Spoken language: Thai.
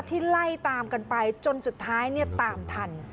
ไล่ตามกันไปจนสุดท้ายตามทัน